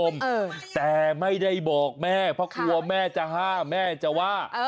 แต่ไม่ได้บอกแม่เพราะกลัวแม่จะห้ามแม่จะว่า